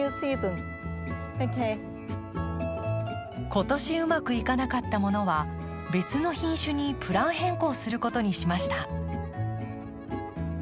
今年うまくいかなかったものは別の品種にプラン変更することにしました。